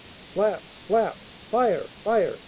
Slap! slap! "Fire! fire!"